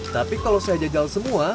tapi kalau saya jajal semua